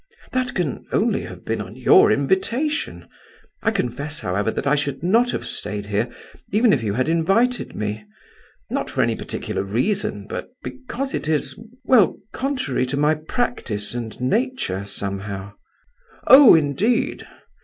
"That could only have been on your invitation. I confess, however, that I should not have stayed here even if you had invited me, not for any particular reason, but because it is—well, contrary to my practice and nature, somehow." "Oh, indeed!